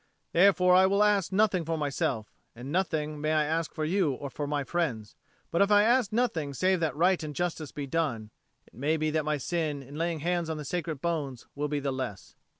"Therefore I will ask nothing for myself, and nothing may I ask for you or for my friends. But if I ask nothing save that right and justice be done, it may be that my sin in laying hands on the sacred bones will be the less."